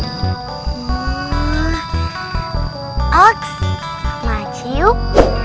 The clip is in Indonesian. hmm alex makasih yuk